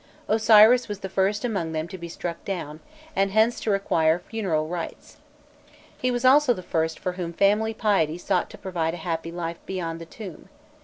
Osiris was the first among them to be struck down, and hence to require funeral rites. He also was the first for whom family piety sought to provide a happy life beyond the tomb.